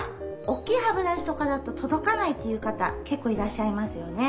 おっきい歯ブラシとかだと届かないという方結構いらっしゃいますよね。